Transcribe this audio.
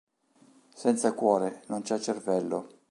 Senza cuore, non c'è cervello.